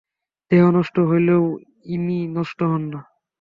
দেহ নষ্ট হইলেও ইনি নষ্ট হন না।